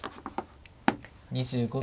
２５秒。